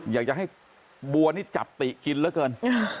อยากจะให้บัวนี่จับติกินเหลือเกิน